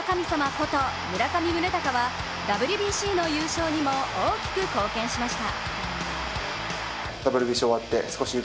こと村上宗隆はＷＢＣの優勝にも大きく貢献しました。